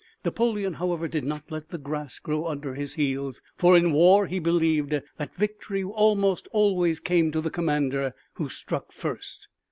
Napoleon, however, did not let the grass grow under his heels, for in war he believed that victory almost always came to the commander who struck first.